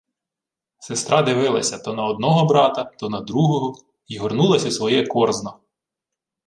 Сестра дивилася то на одного брата, то на другого й горнулась у своє корзно.